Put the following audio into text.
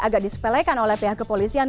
agak disepelekan oleh pihak kepolisian